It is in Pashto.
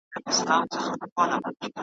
چي نړیږي که له سره آبادیږي .